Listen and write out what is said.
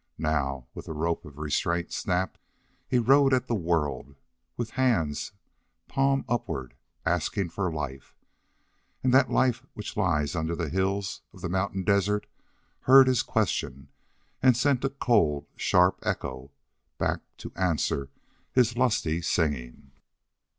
Now, with the rope of restraint snapped, he rode at the world with hands, palm upward, asking for life, and that life which lies under the hills of the mountain desert heard his question and sent a cold, sharp echo back to answer his lusty singing.